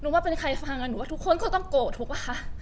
ดูกว่าเป็นใครฟังถึงทุกคนก็ต้องโกะถูกหรอคะ